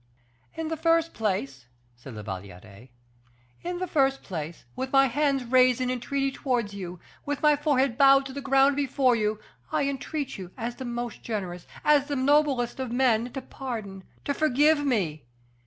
"In the first place," said La Valliere, "in the first place, with my hands raised in entreaty towards you, with my forehead bowed to the ground before you, I entreat you, as the most generous, as the noblest of men, to pardon, to forgive me.